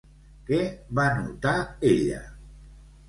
Què va notar ella?